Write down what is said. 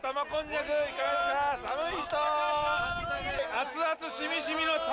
熱々、しみしみの玉